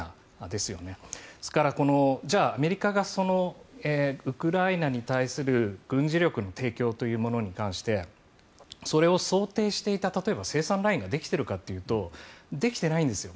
ですから、じゃあアメリカがウクライナに対する軍事力の提供というものに関してそれを想定していた生産ラインができているかというとできていないんですよ。